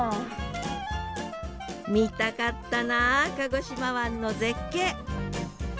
見たかったな鹿児島湾の絶景。